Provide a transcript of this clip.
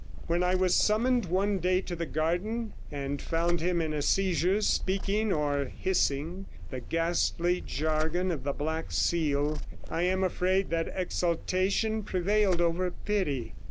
When I was summoned one day to the garden, and found him in a seizure speaking or hissing the ghastly jargon of the Black Seal, I am afraid that exultation prevailed over pity.